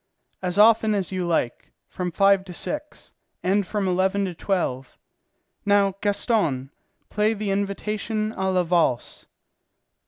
"As often as you like, from five to six, and from eleven to twelve. Now, Gaston, play the Invitation à la Valse."